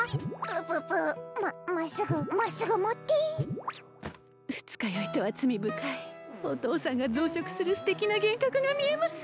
うぷぷままっすぐまっすぐ持って二日酔いとは罪深いお父さんが増殖するステキな幻覚が見えます